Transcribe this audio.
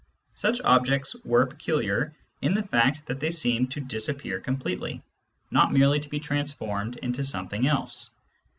Such objects were peculiar in the fact that they seemed to dis appear completely, not merely to be transformed into something else.